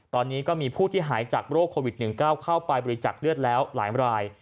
ตอนนี้ก็มีผู้ที่หายจากโรคโควิด๑๙เข้าไปบริจักษ์เลือดแล้วหลายราย